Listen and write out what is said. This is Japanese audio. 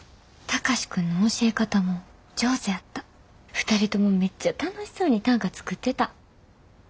２人ともめっちゃ楽しそうに短歌作ってた。